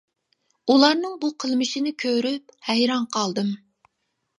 ئۇلارنىڭ بۇ قىلمىشىنى كۆرۈپ ھەيران قالدىم.